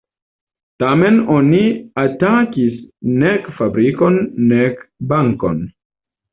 Tamen oni atakis nek fabrikon nek bankon.